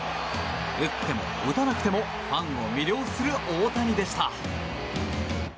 打っても打たなくてもファンを魅了する大谷でした。